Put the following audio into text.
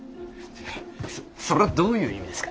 そそりゃどういう意味ですか。